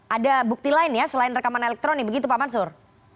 ada bukti lain ya selain rekaman elektronik begitu pak mansur